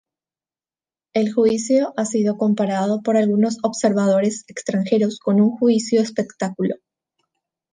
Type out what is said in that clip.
El juicio ha sido comparado por algunos observadores extranjeros con un juicio-espectáculo.